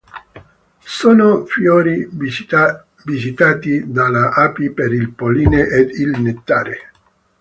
Sono fiori visitati dalle api per il polline ed il nettare.